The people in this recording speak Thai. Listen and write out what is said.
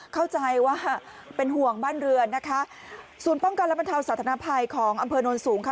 เข้าใจว่าเป็นห่วงบ้านเรือนนะคะศูนย์ป้องกันและบรรเทาสาธนภัยของอำเภอโน้นสูงค่ะ